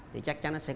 thì chắc chắn nó sẽ